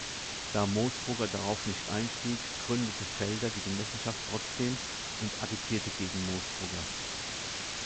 Da Moosbrugger darauf nicht einstieg, gründete Felder die Genossenschaft trotzdem und agitierte gegen Moosbrugger.